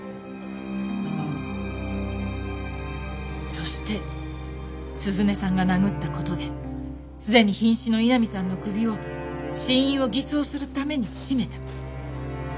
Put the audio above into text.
そして涼音さんが殴った事ですでに瀕死の井波さんの首を死因を偽装するために絞めた。